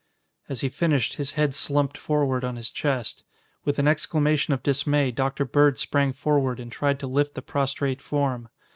As he finished his head slumped forward on his chest. With an exclamation of dismay Dr. Bird sprang forward and tried to lift the prostrate form.